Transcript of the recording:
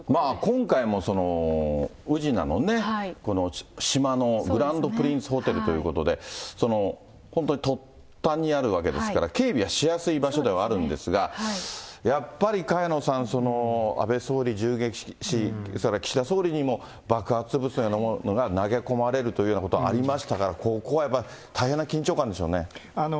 今回も宇品のね、島のグランドプリンスホテルということで、本当に突端にあるわけですから、警備はしやすい場所ではあるんですが、やっぱり萱野さん、安倍総理銃撃、それから岸田総理にも爆発物のようなものが投げ込まれるということようなことがありましたから、ここはやっぱり大変な緊張感でしょうね。